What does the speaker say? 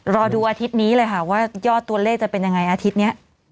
รอดูอาทิตย์นี้เลยค่ะว่ายอดตัวเลขจะเป็นยังไงอาทิตย์นี้